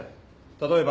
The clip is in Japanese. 例えば。